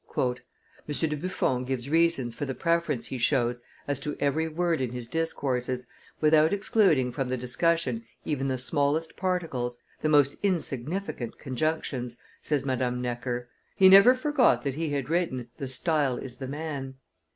"M. de Buffon gives reasons for the preference he shows as to every word in his discourses, without excluding from the discussion even the smallest particles, the most insignificant conjunctions," says Madame Necker; "he never forgot that he had written 'the style is the man.